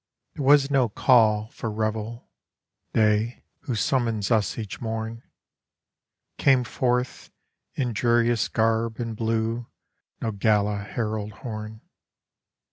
There was no call for revel. Day, Who summons us each morn, Came forth in dreariest garb and blewNo gala herald horn.